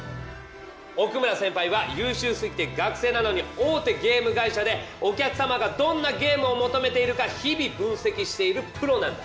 奥村先輩は優秀すぎて学生なのに大手ゲーム会社でお客様がどんなゲームを求めているか日々分析しているプロなんだ。